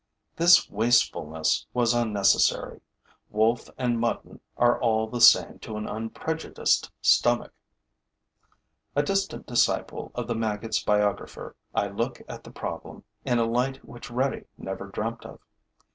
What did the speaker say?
This wastefulness was unnecessary: wolf and mutton are all the same to an unprejudiced stomach. A distant disciple of the maggot's biographer, I look at the problem in a light which Redi never dreamt of.